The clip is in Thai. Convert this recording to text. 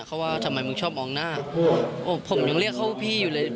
เขาว่าทำไมมึงชอบมองหน้าโอ้ผมยังเรียกเข้าพี่อยู่เลย